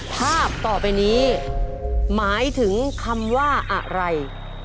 ภาพต่อไปนี้หมายถึงคำว่าอะไร